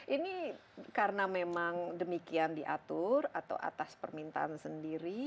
ini karena memang demikian diatur atau atas permintaan sendiri